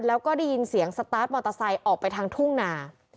แล้วก็ได้ยินเสียงสตาร์ทมอเตอร์ไซค์ออกไปทางทุ่งนา